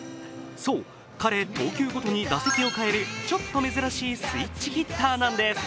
そう彼、投球ごとに打席を変えるちょっと珍しいスイッチヒッターなんです。